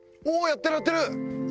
おっやってるやってる！